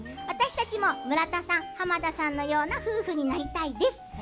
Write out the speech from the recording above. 私たちも、村田さん、濱田さんのような夫婦になりたいです。